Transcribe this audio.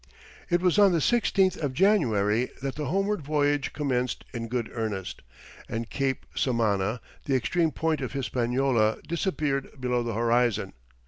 It was on the 16th of January that the homeward voyage commenced in good earnest, and Cape Samana, the extreme point of Hispaniola, disappeared below the horizon.